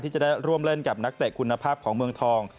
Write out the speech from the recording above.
จะได้ร่วมเล่นกับนักเตะคุณภาพของเมืองทอง